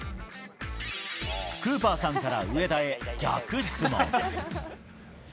クーパーさんから上田へ、逆質問。